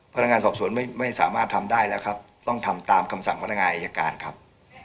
พนักงานสอบสวนไม่สามารถทำได้แล้วครับต้องทำตามคำสั่งพนักงานอายการครับ